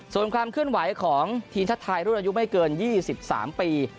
ส่วนความเคลื่อนไหวของทีมชาติไทยรุ่นอายุไม่เกิน๒๓ปี